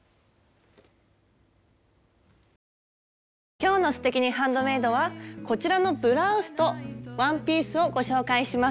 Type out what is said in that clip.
今日の「すてきにハンドメイド」はこちらのブラウスとワンピースをご紹介します。